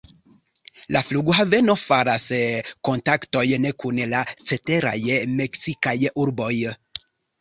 La flughaveno faras kontaktojn kun la ceteraj meksikaj urboj.